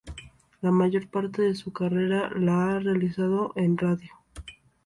La mayor parte de su carrera la ha realizado en radio.